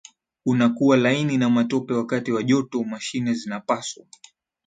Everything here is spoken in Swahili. unakuwa laini na matope wakati wa joto mashine zinapaswa